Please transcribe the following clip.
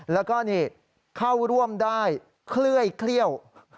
แล้วก็นี่เข้าร่วมได้เคลื่อยเคลี่ยว